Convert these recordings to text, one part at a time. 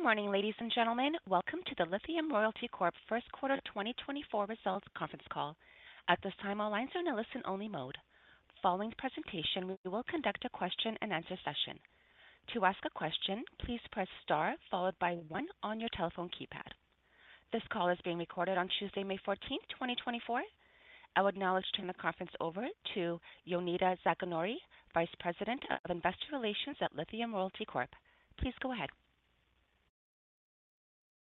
Good morning, ladies and gentlemen. Welcome to the Lithium Royalty Corp. first quarter 2024 results conference call. At this time, all lines are in a listen-only mode. Following the presentation, we will conduct a question-and-answer session. To ask a question, please press star followed by one on your telephone keypad. This call is being recorded on Tuesday, May 14, 2024. I would now like to turn the conference over to Jonida Zaganjori, Vice President of Investor Relations at Lithium Royalty Corp. Please go ahead.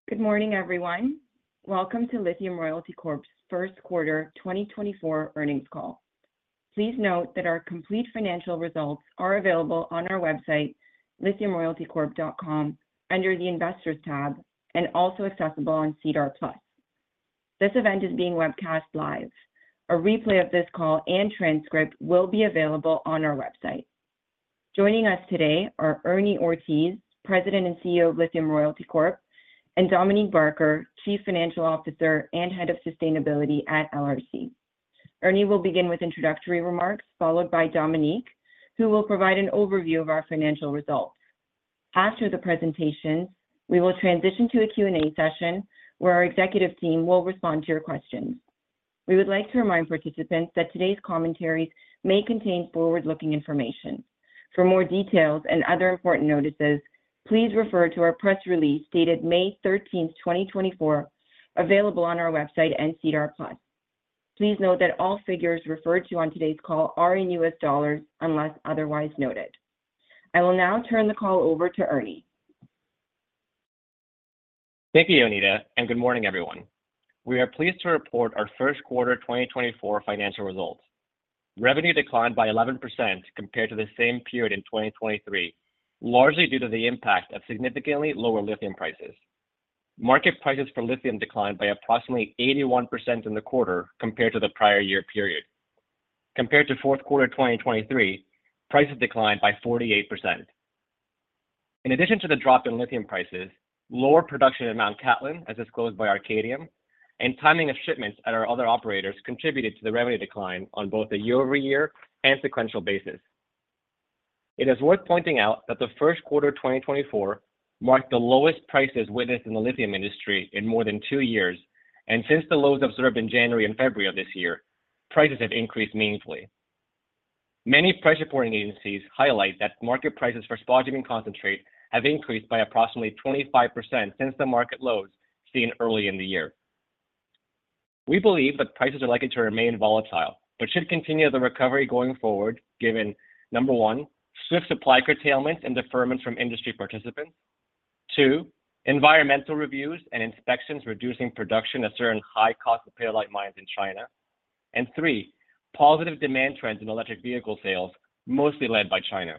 Good morning, everyone. Welcome to Lithium Royalty Corp's First Quarter 2024 earnings call. Please note that our complete financial results are available on our website, lithiumroyaltycorp.com, under the Investors tab and also accessible on SEDAR+. This event is being webcast live. A replay of this call and transcript will be available on our website. Joining us today are Ernie Ortiz, President and CEO of Lithium Royalty Corp, and Dominique Barker, Chief Financial Officer and Head of Sustainability at LRC. Ernie will begin with introductory remarks, followed by Dominique, who will provide an overview of our financial results. After the presentation, we will transition to a Q&A session, where our executive team will respond to your questions. We would like to remind participants that today's commentaries may contain forward-looking information. For more details and other important notices, please refer to our press release dated May 13, 2024, available on our website and SEDAR+. Please note that all figures referred to on today's call are in US dollars, unless otherwise noted. I will now turn the call over to Ernie. Thank you, Jonida, and good morning, everyone. We are pleased to report our first quarter 2024 financial results. Revenue declined by 11% compared to the same period in 2023, largely due to the impact of significantly lower lithium prices. Market prices for lithium declined by approximately 81% in the quarter compared to the prior year period. Compared to fourth quarter 2023, prices declined by 48%. In addition to the drop in lithium prices, lower production in Mount Catlin, as disclosed by Arcadium, and timing of shipments at our other operators contributed to the revenue decline on both a year-over-year and sequential basis. It is worth pointing out that the first quarter 2024 marked the lowest prices witnessed in the lithium industry in more than two years, and since the lows observed in January and February of this year, prices have increased meaningfully. Many price reporting agencies highlight that market prices for spodumene concentrate have increased by approximately 25% since the market lows seen early in the year. We believe that prices are likely to remain volatile, but should continue the recovery going forward, given one, swift supply curtailment and deferment from industry participants, two, environmental reviews and inspections, reducing production of certain high-cost lepidolite mines in China, and three, positive demand trends in electric vehicle sales, mostly led by China.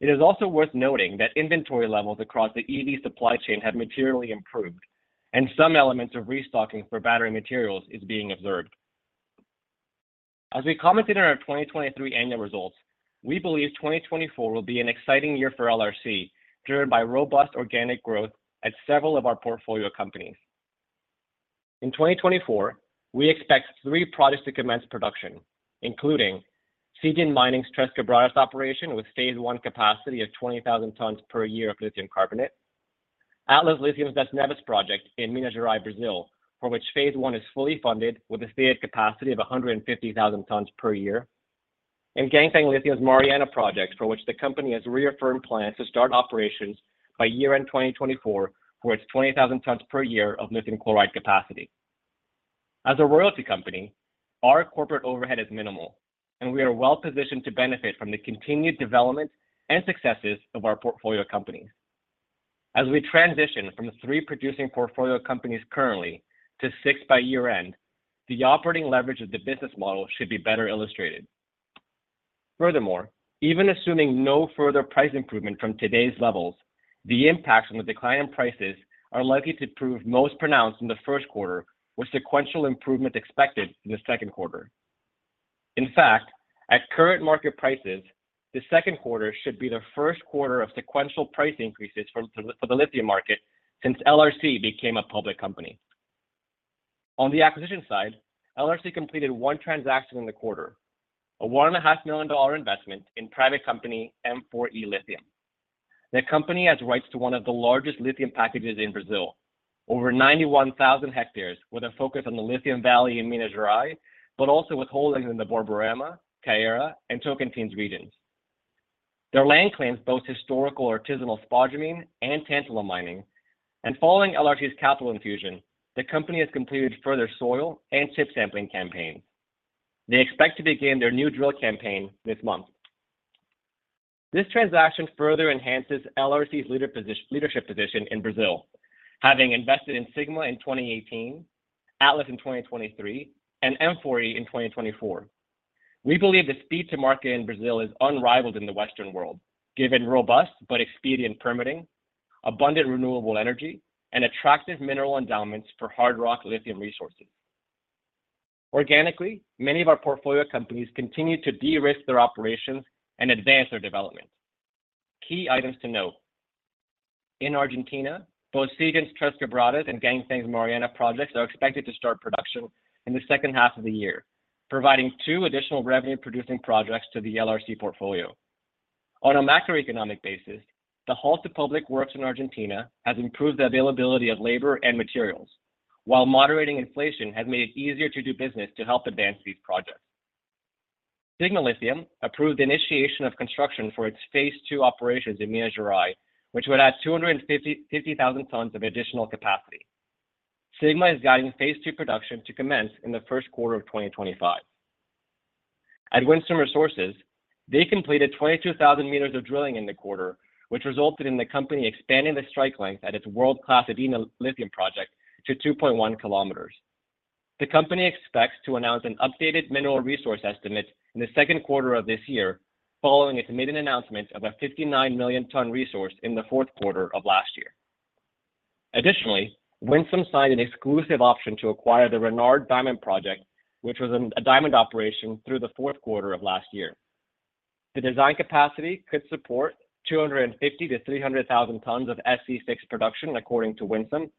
It is also worth noting that inventory levels across the EV supply chain have materially improved, and some elements of restocking for battery materials is being observed. As we commented in our 2023 annual results, we believe 2024 will be an exciting year for LRC, driven by robust organic growth at several of our portfolio companies. In 2024, we expect three products to commence production, including Zijin Mining's Tres Quebradas operation, with phase one capacity of 20,000 tons per year of lithium carbonate, Atlas Lithium's Das Neves project in Minas Gerais, Brazil, for which phase one is fully funded with a stated capacity of 150,000 tons per year, and Ganfeng Lithium's Mariana project, for which the company has reaffirmed plans to start operations by year-end 2024, for its 20,000 tons per year of lithium chloride capacity. As a royalty company, our corporate overhead is minimal, and we are well positioned to benefit from the continued development and successes of our portfolio companies. As we transition from three producing portfolio companies currently to six by year-end, the operating leverage of the business model should be better illustrated. Furthermore, even assuming no further price improvement from today's levels, the impact from the decline in prices are likely to prove most pronounced in the first quarter, with sequential improvement expected in the second quarter. In fact, at current market prices, the second quarter should be the first quarter of sequential price increases for the lithium market since LRC became a public company. On the acquisition side, LRC completed one transaction in the quarter, a $1.5 million investment in private company M4E Lithium. The company has rights to one of the largest lithium packages in Brazil, over 91,000 hectares, with a focus on the Lithium Valley in Minas Gerais, but also with holdings in the Borborema, Ceará, and Tocantins regions. Their land claims both historical artisanal spodumene and tantalum mining, and following LRC's capital infusion, the company has completed further soil and chip sampling campaigns. They expect to begin their new drill campaign this month. This transaction further enhances LRC's leadership position in Brazil, having invested in Sigma in 2018, Atlas in 2023, and M4E in 2024. We believe the speed to market in Brazil is unrivaled in the Western world, given robust but expedient permitting, abundant renewable energy, and attractive mineral endowments for hard rock lithium resources. Organically, many of our portfolio companies continue to de-risk their operations and advance their development. Key items to note: In Argentina, both Zijin's Tres Quebradas and Ganfeng's Mariana projects are expected to start production in the second half of the year... providing two additional revenue-producing projects to the LRC portfolio. On a macroeconomic basis, the halt of public works in Argentina has improved the availability of labor and materials, while moderating inflation has made it easier to do business to help advance these projects. Sigma Lithium approved the initiation of construction for its phase two operations in Minas Gerais, which would add 250,000 tons of additional capacity. Sigma is guiding phase two production to commence in the first quarter of 2025. At Winsome Resources, they completed 22,000 meters of drilling in the quarter, which resulted in the company expanding the strike length at its world-class Adina Lithium Project to 2.1 km. The company expects to announce an updated mineral resource estimate in the second quarter of this year, following its maiden announcement of a 59 million ton resource in the fourth quarter of last year. Additionally, Winsome signed an exclusive option to acquire the Renard Diamond Project, which was a diamond operation through the fourth quarter of last year. The design capacity could support 250,000-300,000 tons of SC6 production, according to Winsome,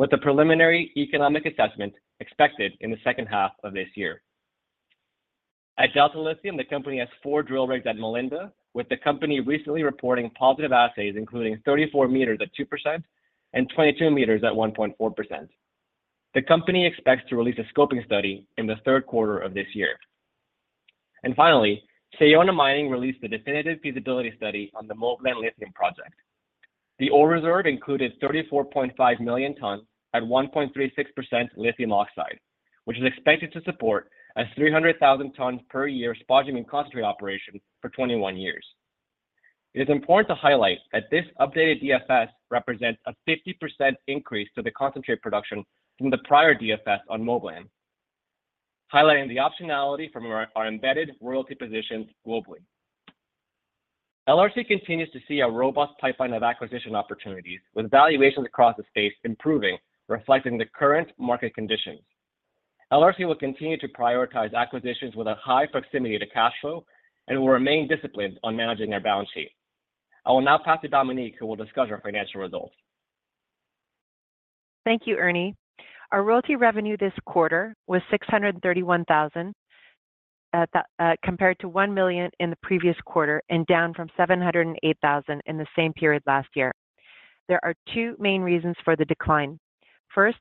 with a preliminary economic assessment expected in the second half of this year. At Delta Lithium, the company has 4 drill rigs at Malinda, with the company recently reporting positive assays, including 34 m at 2% and 22 meters at 1.4%. The company expects to release a scoping study in the third quarter of this year. And finally, Sayona Mining released the definitive feasibility study on the Moblan Lithium project. The ore reserve included 34.5 million tons at 1.36% lithium oxide, which is expected to support a 300,000 tons per year spodumene concentrate operation for 21 years. It is important to highlight that this updated DFS represents a 50% increase to the concentrate production from the prior DFS on Moblan, highlighting the optionality from our embedded royalty positions globally. LRC continues to see a robust pipeline of acquisition opportunities, with valuations across the space improving, reflecting the current market conditions. LRC will continue to prioritize acquisitions with a high proximity to cash flow and will remain disciplined on managing their balance sheet. I will now pass to Dominique, who will discuss our financial results. Thank you, Ernie. Our royalty revenue this quarter was $631,000 at the, compared to $1,000,000 in the previous quarter and down from $708,000 in the same period last year. There are two main reasons for the decline. First,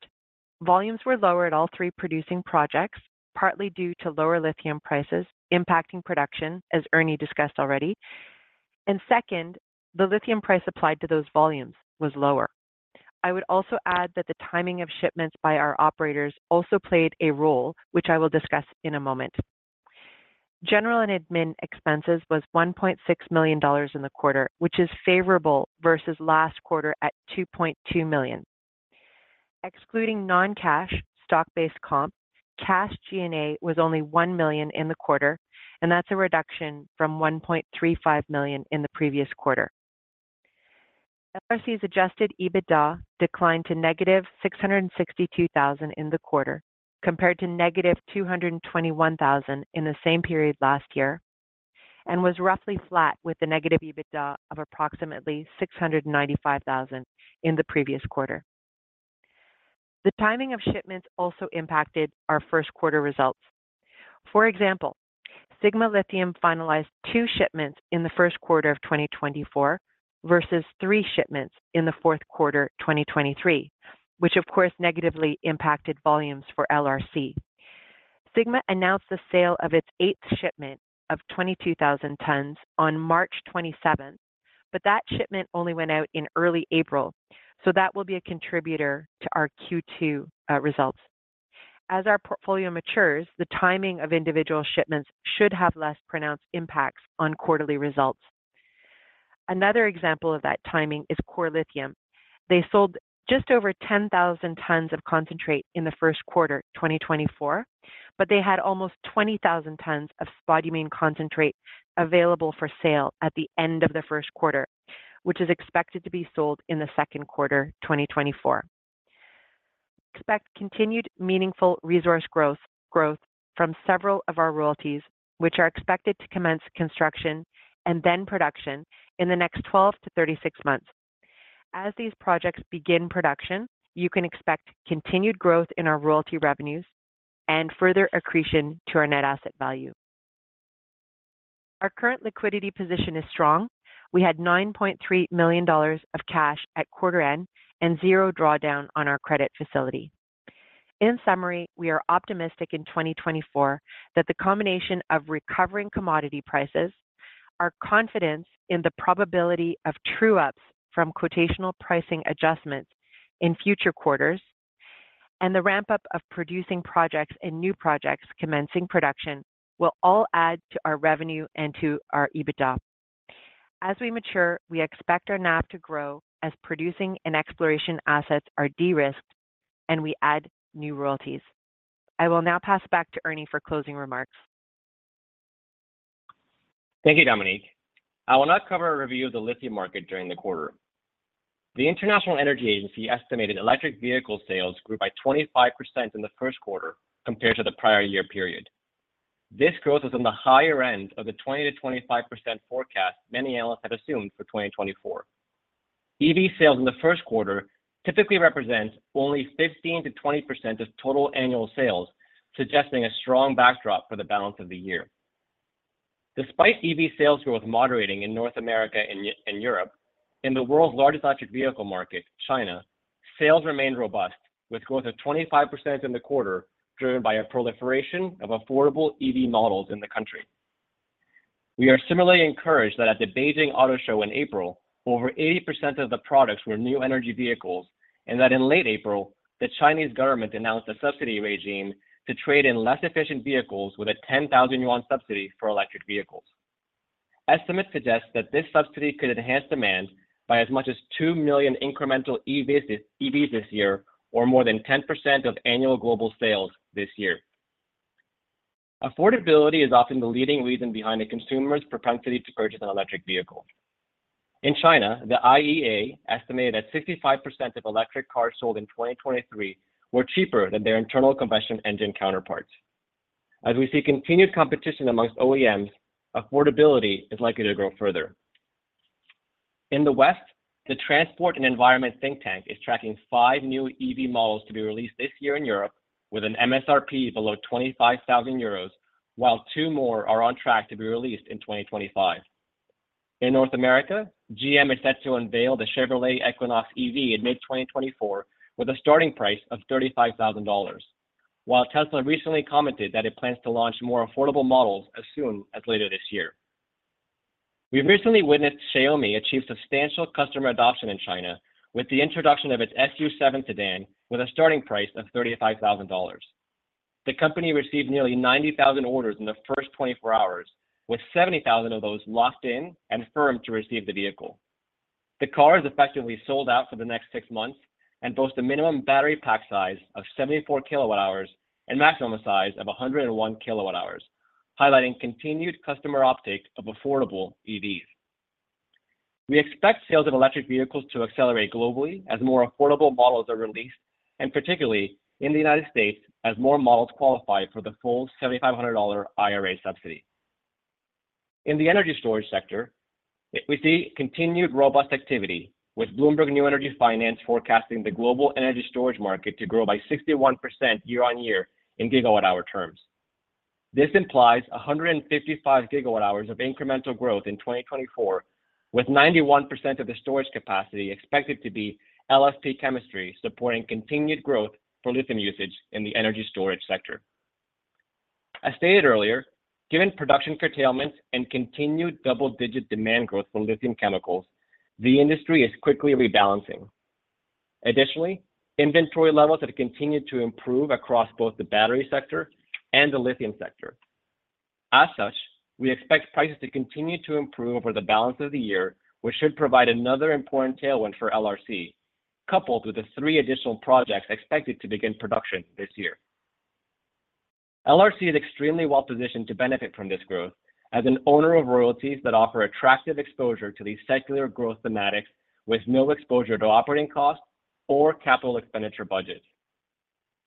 volumes were lower at all three producing projects, partly due to lower lithium prices impacting production, as Ernie discussed already. Second, the lithium price applied to those volumes was lower. I would also add that the timing of shipments by our operators also played a role, which I will discuss in a moment. General and admin expenses was $1.6 million in the quarter, which is favorable versus last quarter at $2.2 million. Excluding non-cash stock-based comp, cash G&A was only $1 million in the quarter, and that's a reduction from $1.35 million in the previous quarter. LRC's adjusted EBITDA declined to negative $662,000 in the quarter, compared to negative $221,000 in the same period last year, and was roughly flat with the negative EBITDA of approximately $695,000 in the previous quarter. The timing of shipments also impacted our first quarter results. For example, Sigma Lithium finalized two shipments in the first quarter of 2024, versus three shipments in the fourth quarter 2023, which of course, negatively impacted volumes for LRC. Sigma announced the sale of its eighth shipment of 22,000 tons on March 27th, but that shipment only went out in early April, so that will be a contributor to our Q2 results. As our portfolio matures, the timing of individual shipments should have less pronounced impacts on quarterly results. Another example of that timing is Core Lithium. They sold just over 10,000 tons of concentrate in the first quarter, 2024, but they had almost 20,000 tons of spodumene concentrate available for sale at the end of the first quarter, which is expected to be sold in the second quarter, 2024. Expect continued meaningful resource growth, growth from several of our royalties, which are expected to commence construction and then production in the next 12-36 months. As these projects begin production, you can expect continued growth in our royalty revenues and further accretion to our net asset value. Our current liquidity position is strong. We had $9.3 million of cash at quarter end and zero drawdown on our credit facility. In summary, we are optimistic in 2024 that the combination of recovering commodity prices, our confidence in the probability of true ups from quotational pricing adjustments in future quarters, and the ramp-up of producing projects and new projects commencing production, will all add to our revenue and to our EBITDA. As we mature, we expect our NAV to grow as producing and exploration assets are de-risked, and we add new royalties. I will now pass back to Ernie for closing remarks. Thank you, Dominique. I will now cover a review of the lithium market during the quarter. The International Energy Agency estimated electric vehicle sales grew by 25% in the first quarter compared to the prior year period. This growth is on the higher end of the 20%-25% forecast many analysts had assumed for 2024. EV sales in the first quarter typically represents only 15%-20% of total annual sales, suggesting a strong backdrop for the balance of the year. Despite EV sales growth moderating in North America and Europe, in the world's largest electric vehicle market, China, sales remained robust, with growth of 25% in the quarter, driven by a proliferation of affordable EV models in the country. We are similarly encouraged that at the Beijing Auto Show in April, over 80% of the products were new energy vehicles, and that in late April, the Chinese government announced a subsidy regime to trade in less efficient vehicles with a 10,000 yuan subsidy for electric vehicles. Estimates suggest that this subsidy could enhance demand by as much as 2 million incremental EVs this year, or more than 10% of annual global sales this year. Affordability is often the leading reason behind a consumer's propensity to purchase an electric vehicle. In China, the IEA estimated that 65% of electric cars sold in 2023 were cheaper than their internal combustion engine counterparts. As we see continued competition among OEMs, affordability is likely to grow further. In the West, the Transport and Environment think tank is tracking five new EV models to be released this year in Europe with an MSRP below 25,000 euros, while two more are on track to be released in 2025. In North America, GM is set to unveil the Chevrolet Equinox EV in mid-2024, with a starting price of $35,000. While Tesla recently commented that it plans to launch more affordable models as soon as later this year. We've recently witnessed Xiaomi achieve substantial customer adoption in China with the introduction of its SU7 sedan with a starting price of $35,000. The company received nearly 90,000 orders in the first 24 hours, with 70,000 of those locked in and firm to receive the vehicle. The car is effectively sold out for the next six months and boasts a minimum battery pack size of 74 kWh and maximum size of 101 kWh, highlighting continued customer uptake of affordable EVs. We expect sales of electric vehicles to accelerate globally as more affordable models are released, and particularly in the United States, as more models qualify for the full $7,500 IRA subsidy. In the energy storage sector, we see continued robust activity, with Bloomberg New Energy Finance forecasting the global energy storage market to grow by 61% year on year in GWh terms. This implies 155 GWh of incremental growth in 2024, with 91% of the storage capacity expected to be LFP chemistry, supporting continued growth for lithium usage in the energy storage sector. As stated earlier, given production curtailments and continued double-digit demand growth for lithium chemicals, the industry is quickly rebalancing. Additionally, inventory levels have continued to improve across both the battery sector and the lithium sector. As such, we expect prices to continue to improve over the balance of the year, which should provide another important tailwind for LRC, coupled with the three additional projects expected to begin production this year. LRC is extremely well positioned to benefit from this growth as an owner of royalties that offer attractive exposure to these secular growth thematics, with no exposure to operating costs or capital expenditure budgets.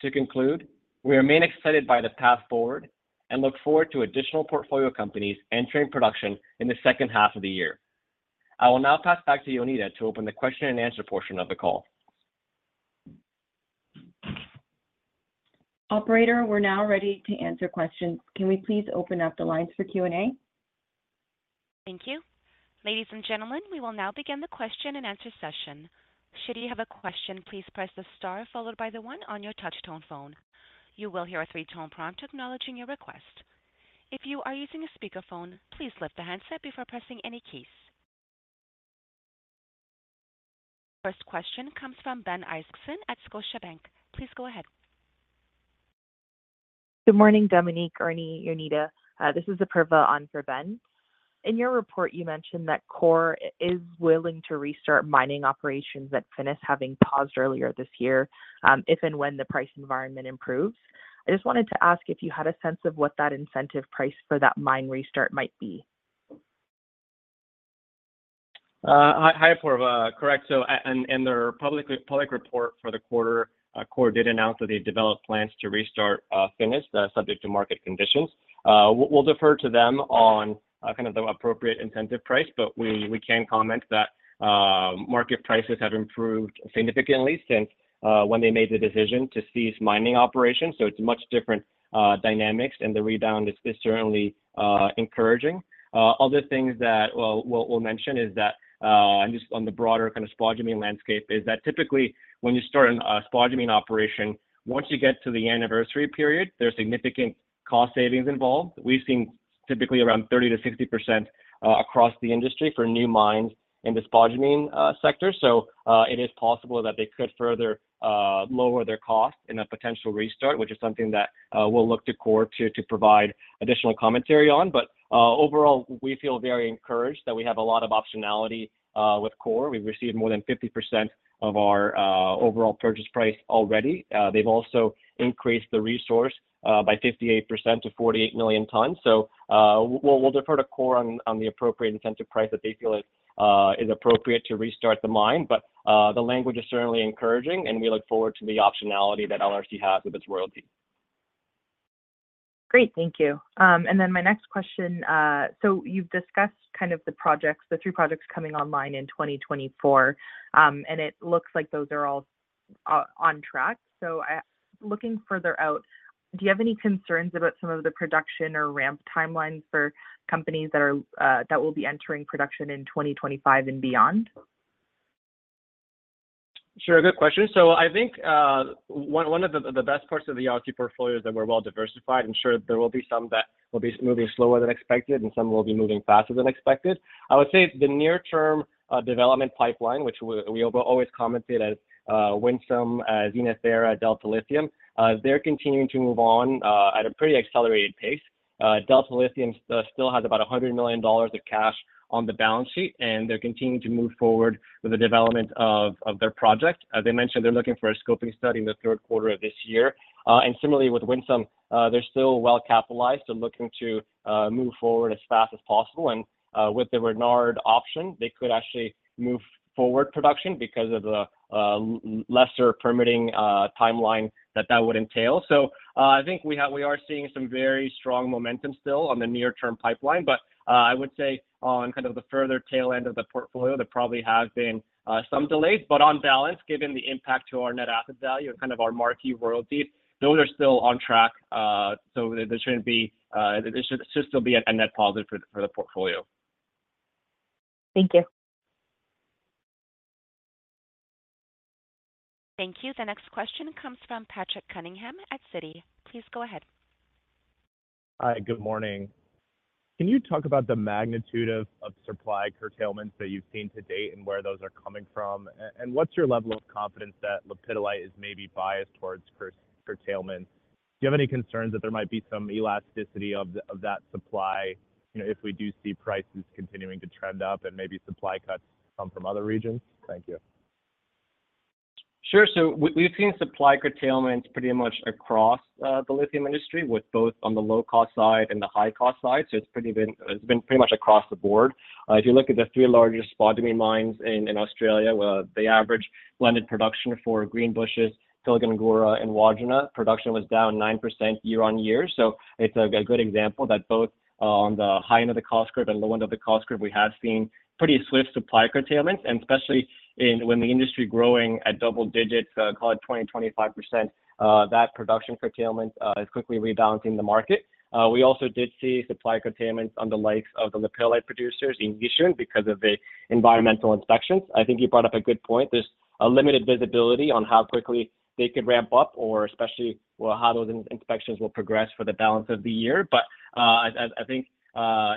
To conclude, we remain excited by the path forward and look forward to additional portfolio companies entering production in the second half of the year. I will now pass back to Jonida to open the question and answer portion of the call. Operator, we're now ready to answer questions. Can we please open up the lines for Q&A? Thank you. Ladies and gentlemen, we will now begin the question-and-answer session. Should you have a question, please press the star followed by the one on your touch tone phone. You will hear a three-tone prompt acknowledging your request. If you are using a speakerphone, please lift the handset before pressing any keys. First question comes from Ben Isaacson at Scotiabank. Please go ahead. Good morning, Dominique, Ernie, Jonida. This is Apurva on for Ben. In your report, you mentioned that Core is willing to restart mining operations at Finniss, having paused earlier this year, if and when the price environment improves. I just wanted to ask if you had a sense of what that incentive price for that mine restart might be? Hi, Apurva. Correct. So, and, in their public report for the quarter, Core did announce that they developed plans to restart Finniss, subject to market conditions. We'll defer to them on kind of the appropriate incentive price, but we can comment that market prices have improved significantly since when they made the decision to cease mining operations. So it's much different dynamics, and the rebound is certainly encouraging. Other things that we'll mention is that, and just on the broader kind of spodumene landscape, is that typically when you start a spodumene operation, once you get to the anniversary period, there are significant cost savings involved. We've seen typically around 30%-60% across the industry for new mines in the spodumene sector. So, it is possible that they could further lower their costs in a potential restart, which is something that we'll look to Core to provide additional commentary on. But overall, we feel very encouraged that we have a lot of optionality with Core. We've received more than 50% of our overall purchase price already. They've also increased the resource by 58% to 48 million tons. So, we'll defer to Core on the appropriate incentive price that they feel is appropriate to restart the mine. But the language is certainly encouraging, and we look forward to the optionality that LRC has with its royalty. Great. Thank you. And then my next question, so you've discussed kind of the projects, the three projects coming online in 2024, and it looks like those are all on track. So looking further out, do you have any concerns about some of the production or ramp timelines for companies that are that will be entering production in 2025 and beyond? Sure, good question. So I think, one of the best parts of the LRC portfolio is that we're well diversified, I'm sure there will be some that will be moving slower than expected, and some will be moving faster than expected. I would say the near-term development pipeline, which we always commented as Winsome, Zenith, Thera, Delta Lithium, they're continuing to move on at a pretty accelerated pace. Delta Lithium still has about $100 million of cash on the balance sheet, and they're continuing to move forward with the development of their project. They mentioned they're looking for a scoping study in the third quarter of this year. And similarly with Winsome, they're still well capitalized and looking to move forward as fast as possible. And, with the Renard option, they could actually move forward production because of the lesser permitting timeline that that would entail. So, I think we are seeing some very strong momentum still on the near-term pipeline, but I would say on kind of the further tail end of the portfolio, there probably have been some delays. But on balance, given the impact to our Net Asset Value and kind of our marquee royalties, those are still on track. So there shouldn't be. It should still be a net positive for the portfolio. Thank you. Thank you. The next question comes from Patrick Cunningham at Citi. Please go ahead. Hi, good morning. Can you talk about the magnitude of supply curtailments that you've seen to date and where those are coming from? And what's your level of confidence that lepidolite is maybe biased towards curtailment? Do you have any concerns that there might be some elasticity of that supply, you know, if we do see prices continuing to trend up and maybe supply cuts come from other regions? Thank you. Sure. So we've seen supply curtailments pretty much across the lithium industry, with both on the low-cost side and the high-cost side, so it's been pretty much across the board. If you look at the three largest spodumene mines in Australia, well, the average blended production for Greenbushes, Pilgangoora, and Wodgina production was down 9% year-on-year. So it's a good example that both on the high end of the cost curve and low end of the cost curve, we have seen pretty swift supply curtailment, and especially in when the industry growing at double digits, call it 20%-25%, that production curtailment is quickly rebalancing the market. We also did see supply curtailments on the likes of the lepidolite producers in Yichun because of the environmental inspections. I think you brought up a good point. There's a limited visibility on how quickly they could ramp up, or especially, well, how those inspections will progress for the balance of the year. But, I think,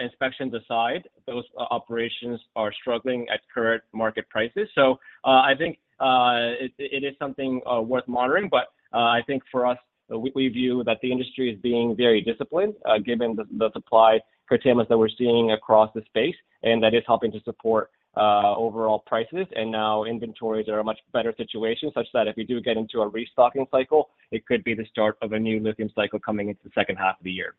inspections aside, those operations are struggling at current market prices. So, I think, it is something worth monitoring, but, I think for us, we view that the industry is being very disciplined, given the supply curtailments that we're seeing across the space, and that is helping to support overall prices. And now inventories are a much better situation, such that if we do get into a restocking cycle, it could be the start of a new lithium cycle coming into the second half of the year.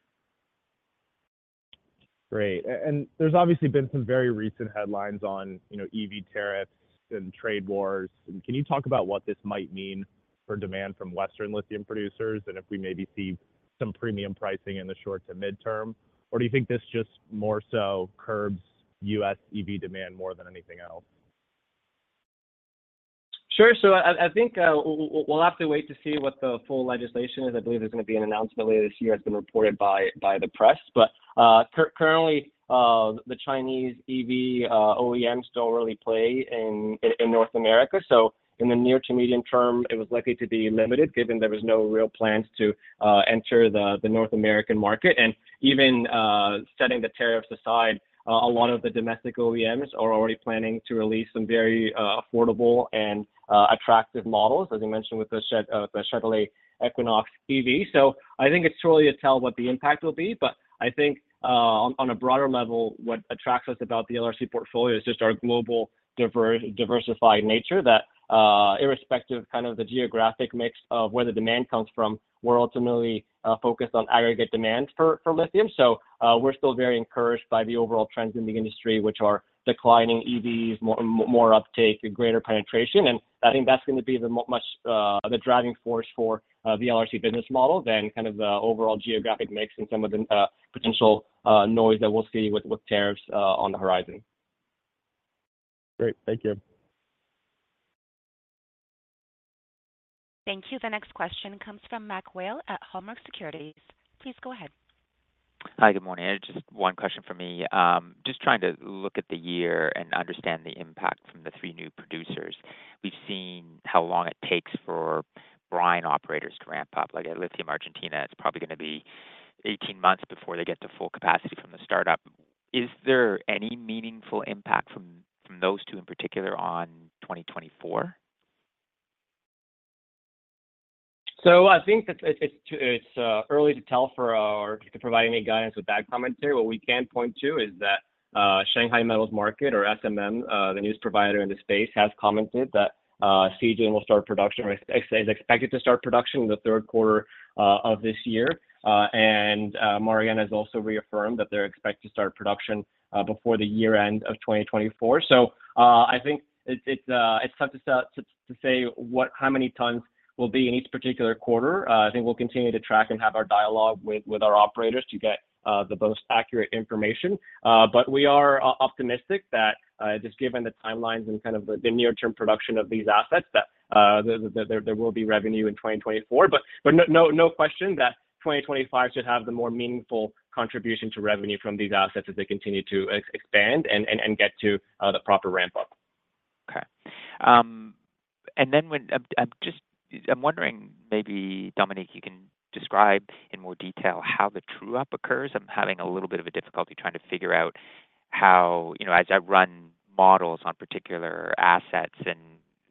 Great. And there's obviously been some very recent headlines on, you know, EV tariffs and trade wars. Can you talk about what this might mean for demand from Western lithium producers and if we maybe see some premium pricing in the short to midterm? Or do you think this just more so curbs U.S. EV demand more than anything else? Sure. So I think we'll have to wait to see what the full legislation is. I believe there's going to be an announcement later this year, as has been reported by the press. But currently, the Chinese EV OEMs don't really play in North America. So in the near to medium term, it was likely to be limited, given there was no real plans to enter the North American market. And even setting the tariffs aside, a lot of the domestic OEMs are already planning to release some very affordable and attractive models, as you mentioned, with the Chevrolet Equinox EV. So I think it's too early to tell what the impact will be. But I think, on a broader level, what attracts us about the LRC portfolio is just our global diversified nature, that, irrespective of kind of the geographic mix of where the demand comes from, we're ultimately focused on aggregate demand for lithium. So, we're still very encouraged by the overall trends in the industry, which are declining EVs, more uptake and greater penetration. And I think that's going to be the much the driving force for the LRC business model than kind of the overall geographic mix and some of the potential noise that we'll see with tariffs on the horizon. Great. Thank you. Thank you. The next question comes from Mac Whale at Cormark Securities. Please go ahead. Hi, good morning. Just one question for me. Just trying to look at the year and understand the impact from the three new producers. We've seen how long it takes for brine operators to ramp up. Like at Lithium Argentina, it's probably going to be 18 months before they get to full capacity from the startup. Is there any meaningful impact from, from those two in particular on 2024? So I think that it's early to tell for us to provide any guidance with that commentary. What we can point to is that, Shanghai Metals Market, or SMM, the news provider in the space, has commented that, 3Q will start production, or is expected to start production in the third quarter of this year. And, Mariana has also reaffirmed that they're expected to start production before the year-end of 2024. So, I think it's tough to say what, how many tons will be in each particular quarter. I think we'll continue to track and have our dialogue with our operators to get the most accurate information. But we are optimistic that, just given the timelines and kind of the near-term production of these assets, that there will be revenue in 2024. But no question that 2025 should have the more meaningful contribution to revenue from these assets as they continue to expand and get to the proper ramp-up. Okay. And then, just, I'm wondering, maybe Dominique, you can describe in more detail how the true-up occurs. I'm having a little bit of a difficulty trying to figure out how, you know, as I run models on particular assets and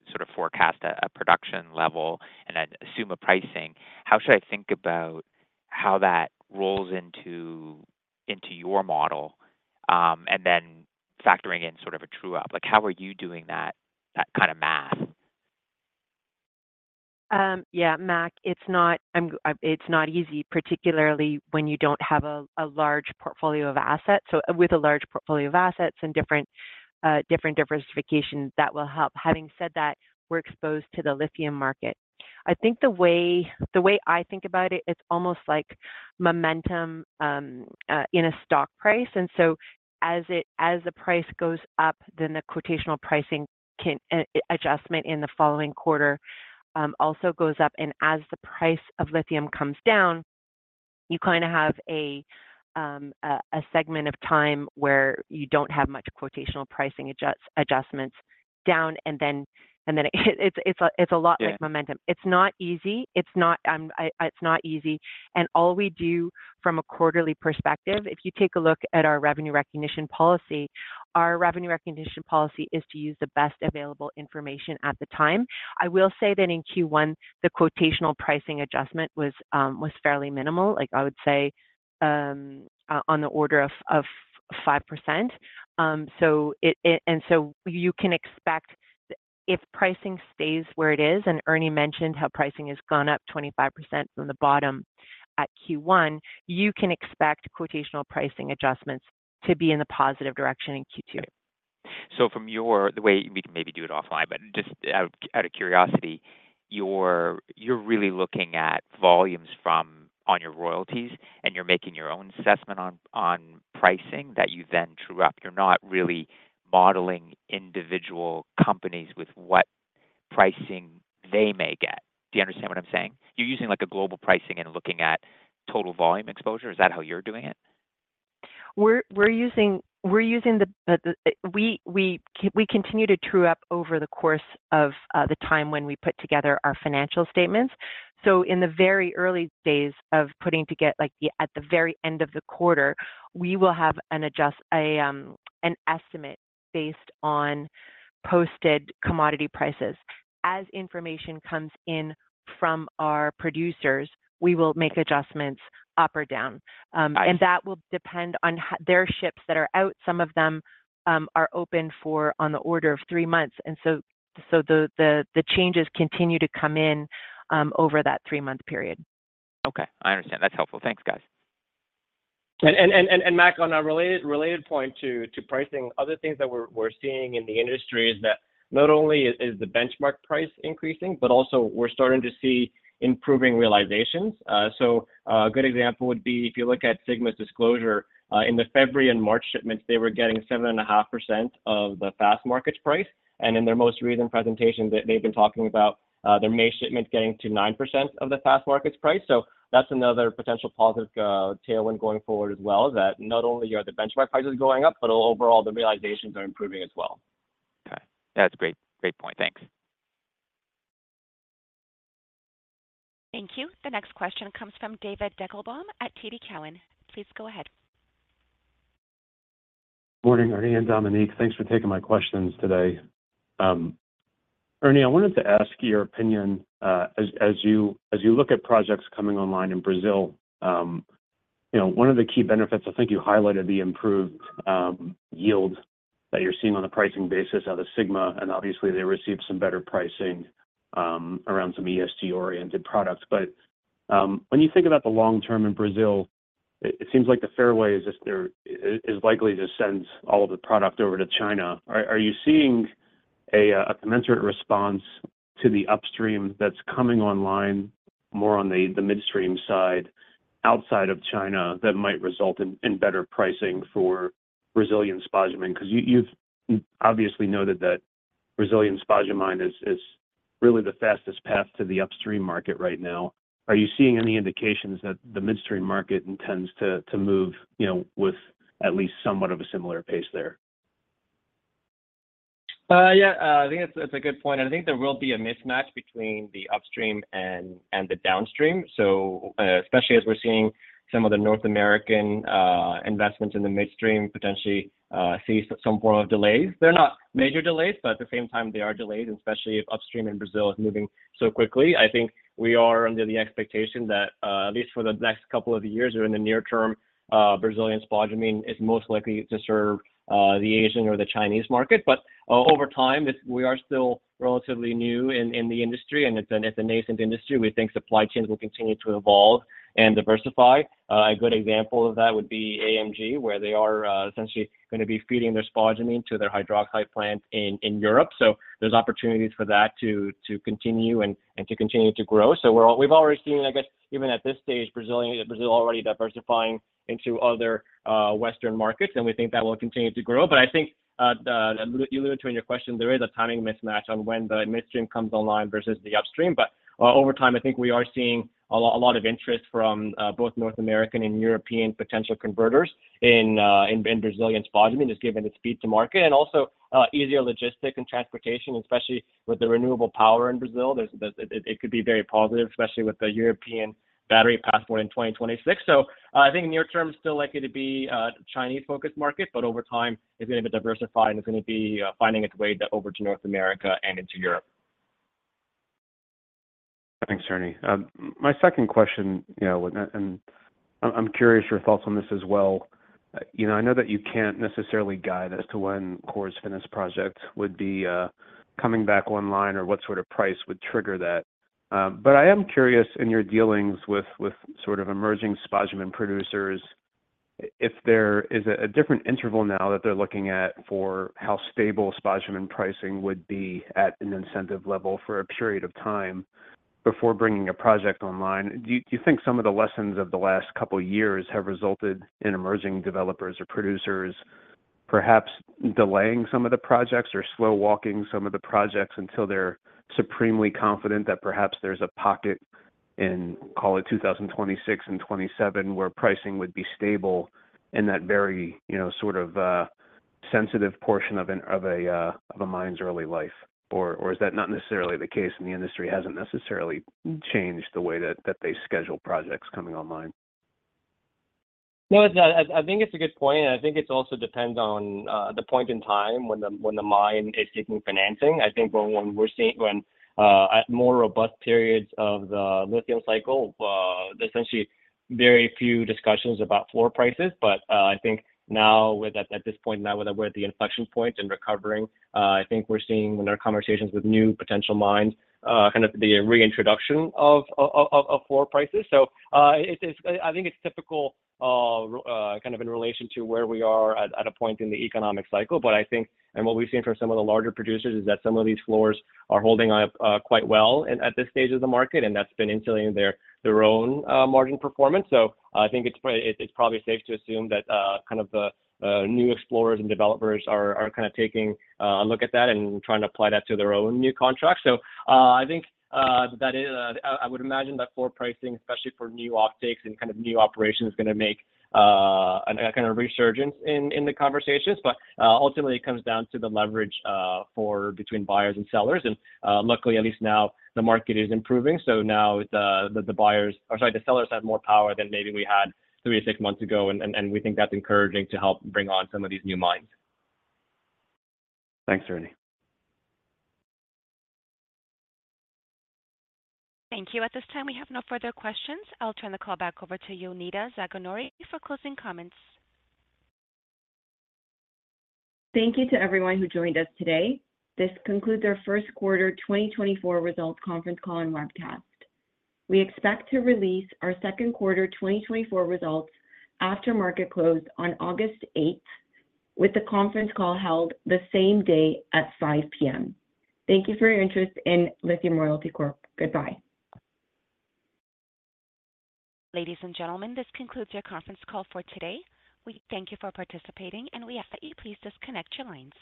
sort of forecast a production level and then assume a pricing, how should I think about how that rolls into your model, and then factoring in sort of a true-up? Like, how are you doing that kind of math? Yeah, Mac, it's not easy, particularly when you don't have a large portfolio of assets. So with a large portfolio of assets and different diversifications, that will help. Having said that, we're exposed to the lithium market. I think the way I think about it, it's almost like momentum in a stock price, and so as the price goes up, then the quotational pricing can adjustment in the following quarter also goes up, and as the price of lithium comes down, you kind of have a segment of time where you don't have much quotational pricing adjustments down, and then it, it's a lot like momentum. It's not easy. It's not, it's not easy. And all we do from a quarterly perspective, if you take a look at our revenue recognition policy, our revenue recognition policy is to use the best available information at the time. I will say that in Q1, the quotational pricing adjustment was fairly minimal, like, I would say, on the order of 5%. So it... And so you can expect if pricing stays where it is, and Ernie mentioned how pricing has gone up 25% from the bottom at Q1, you can expect quotational pricing adjustments to be in the positive direction in Q2. The way, we can maybe do it offline, but just out of curiosity, you're really looking at volumes from your royalties, and you're making your own assessment on pricing that you then true up. You're not really modeling individual companies with what pricing they may get. Do you understand what I'm saying? You're using, like, a global pricing and looking at total volume exposure. Is that how you're doing it? We continue to true up over the course of the time when we put together our financial statements. So in the very early days of putting together, like, at the very end of the quarter, we will have an estimate based on posted commodity prices. As information comes in from our producers, we will make adjustments up or down. That will depend on their ships that are out. Some of them are open for on the order of three months, and the changes continue to come in over that three-month period. Okay. I understand. That's helpful. Thanks, guys. Mac, on a related point to pricing, other things that we're seeing in the industry is that not only is the benchmark price increasing, but also we're starting to see improving realizations. So, a good example would be if you look at Sigma's disclosure, in the February and March shipments, they were getting 7.5% of the fast markets price. And in their most recent presentation, they've been talking about their May shipment getting to 9% of the fast markets price. So that's another potential positive tailwind going forward as well, that not only are the benchmark prices going up, but overall the realizations are improving as well. Okay. That's a great, great point. Thanks. Thank you. The next question comes from David Deckelbaum at TD Cowen. Please go ahead. Morning, Ernie and Dominique. Thanks for taking my questions today. Ernie, I wanted to ask your opinion, as you look at projects coming online in Brazil, you know, one of the key benefits, I think you highlighted the improved yield that you're seeing on a pricing basis out of Sigma, and obviously they received some better pricing around some ESG-oriented products. But, when you think about the long term in Brazil, it seems like the fairway is just there, is likely to send all of the product over to China. Are you seeing a commensurate response to the upstream that's coming online, more on the midstream side, outside of China, that might result in better pricing for Brazilian spodumene? Because you, you've obviously noted that Brazilian spodumene is really the fastest path to the upstream market right now. Are you seeing any indications that the midstream market intends to move, you know, with at least somewhat of a similar pace there? Yeah, I think it's a good point, and I think there will be a mismatch between the upstream and the downstream. So, especially as we're seeing some of the North American investments in the midstream potentially see some form of delays. They're not major delays, but at the same time, they are delays, especially if upstream in Brazil is moving so quickly. I think we are under the expectation that at least for the next couple of years or in the near term, Brazilian spodumene is most likely to serve the Asian or the Chinese market. But over time, it's, we are still relatively new in the industry, and it's a nascent industry. We think supply chains will continue to evolve and diversify. A good example of that would be AMG, where they are essentially gonna be feeding their spodumene to their hydroxide plant in Europe. So there's opportunities for that to continue and to continue to grow. So we've already seen, I guess, even at this stage, Brazil already diversifying into other Western markets, and we think that will continue to grow. But I think you alluded to in your question, there is a timing mismatch on when the midstream comes online versus the upstream. But over time, I think we are seeing a lot of interest from both North American and European potential converters in Brazilian spodumene, just given its speed to market and also easier logistics and transportation, especially with the renewable power in Brazil. It could be very positive, especially with the European battery passport in 2026. So, I think near term, still likely to be a Chinese-focused market, but over time, it's gonna be diversified, and it's gonna be finding its way over to North America and into Europe. Thanks, Ernie. My second question, you know, and, and I'm, I'm curious your thoughts on this as well. You know, I know that you can't necessarily guide as to when Core's Finniss project would be, coming back online or what sort of price would trigger that. But I am curious, in your dealings with, with sort of emerging spodumene producers, if there is a, a different interval now that they're looking at for how stable spodumene pricing would be at an incentive level for a period of time before bringing a project online. Do you think some of the lessons of the last couple of years have resulted in emerging developers or producers perhaps delaying some of the projects or slow-walking some of the projects until they're supremely confident that perhaps there's a pocket in, call it 2026 and 2027, where pricing would be stable in that very, you know, sort of sensitive portion of a mine's early life? Or is that not necessarily the case, and the industry hasn't necessarily changed the way that they schedule projects coming online? No, it's not. I think it's a good point, and I think it also depends on the point in time when the mine is seeking financing. I think when we're seeing at more robust periods of the lithium cycle, essentially very few discussions about floor prices. But I think now at this point now, where we're at the inflection point and recovering, I think we're seeing in our conversations with new potential mines kind of the reintroduction of floor prices. So, it's... I think it's typical kind of in relation to where we are at a point in the economic cycle. But I think, and what we've seen from some of the larger producers, is that some of these floors are holding up quite well at this stage of the market, and that's been insulating their own margin performance. So I think it's probably safe to assume that kind of the new explorers and developers are kind of taking a look at that and trying to apply that to their own new contracts. So I think that is, I would imagine that floor pricing, especially for new offtakes and kind of new operations, is gonna make a kind of resurgence in the conversations. But ultimately, it comes down to the leverage between buyers and sellers. And luckily, at least now the market is improving. So now the buyers or sorry, the sellers have more power than maybe we had three to six months ago, and we think that's encouraging to help bring on some of these new mines. Thanks, Ernie. Thank you. At this time, we have no further questions. I'll turn the call back over to you, Jonida Zaganjori, for closing comments. Thank you to everyone who joined us today. This concludes our first quarter 2024 results conference call and webcast. We expect to release our second quarter 2024 results after market close on August 8, with the conference call held the same day at 5:00 P.M. Thank you for your interest in Lithium Royalty Corp. Goodbye. Ladies and gentlemen, this concludes your conference call for today. We thank you for participating, and we ask that you please disconnect your lines.